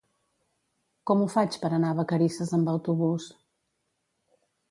Com ho faig per anar a Vacarisses amb autobús?